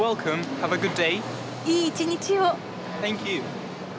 いい一日を！